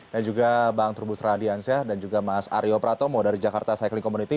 dan juga bang turbus radiansyah dan juga mas aryo pratomo dari jakarta cycling community